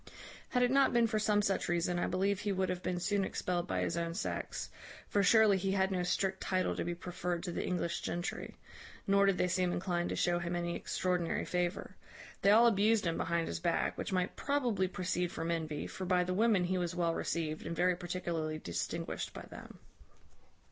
Had it not been for some such reason, I believe he would have been soon expelled by his own sex; for surely he had no strict title to be preferred to the English gentry; nor did they seem inclined to show him any extraordinary favour. They all abused him behind his back, which might probably proceed from envy; for by the women he was well received, and very particularly distinguished by them.